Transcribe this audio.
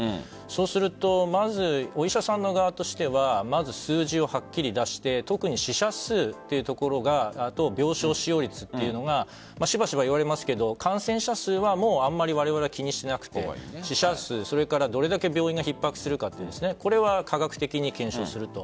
そうするとまずお医者さん側としては数字をはっきり出して特に死者数というところが病床使用率というのがしばしば言われますが感染者数はあまりわれわれは気にしなくて死者数とどれだけ病院がひっ迫するかこれは科学的に検証すると。